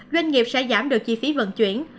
doanh nghiệp sẽ giảm được chi phí vận chuyển